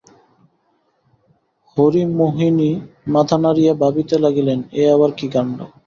হরিমোহিনী মাথা নাড়িয়া ভাবিতে লাগিলেন– এ আাবার কী কাণ্ড!